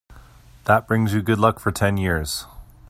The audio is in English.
That brings you good luck for ten years.